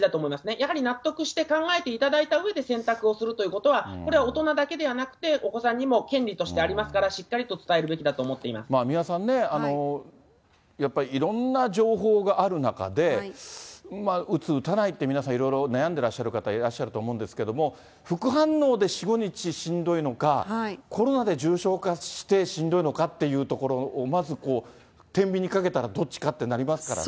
やはり納得して考えていただいたうえで選択をするということは、これは大人だけではなくて、お子さんにも権利としてありますから、しっかりと伝えるべきだと思って三輪さんね、やっぱりいろんな情報がある中で、打つ、打たないって、皆さんいろいろ悩んでらっしゃる方いらっしゃると思うんですけど、副反応で４、５日しんどいのか、コロナで重症化してしんどいのかっていうところをまずてんびんにかけたら、どっちかってなりますからね。